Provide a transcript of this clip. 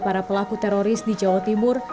para pelaku teroris di jawa timur